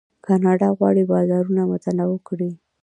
کاناډا غواړي بازارونه متنوع کړي.